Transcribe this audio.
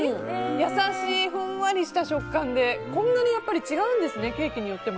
優しいふんわりした食感でこんなに違うんですね。